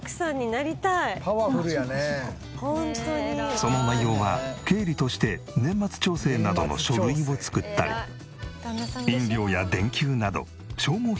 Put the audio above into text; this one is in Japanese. その内容は経理として年末調整などの書類を作ったり飲料や電球など消耗品の買い出しまで。